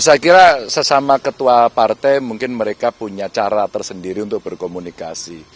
saya kira sesama ketua partai mungkin mereka punya cara tersendiri untuk berkomunikasi